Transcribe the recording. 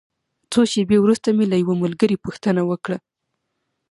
څو شېبې وروسته مې له یوه ملګري پوښتنه وکړه.